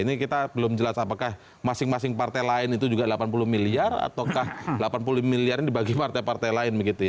ini kita belum jelas apakah masing masing partai lain itu juga delapan puluh miliar ataukah delapan puluh miliar ini dibagi partai partai lain begitu ya